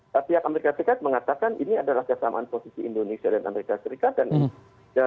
tapi amerika serikat mengatakan ini adalah kesamaan posisi indonesia dan amerika serikat